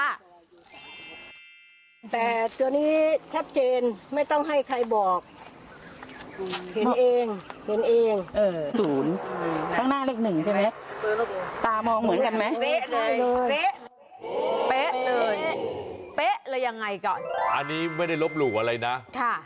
อันนี้ไม่ได้ลบหลงอะไรนะ